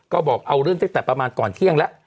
ก็บอกเอาเรื่องตั้งแต่ประมาณก่อนเที่ยงแล้ว